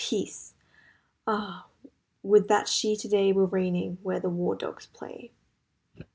Peace! Ah, would that she today Were reigning where the war dogs play.